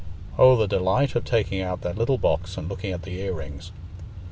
Oh, the delight of taking out that little box and looking at the ear rings!